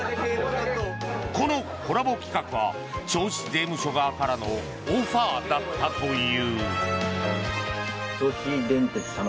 このコラボ企画は銚子税務署側からのオファーだったという。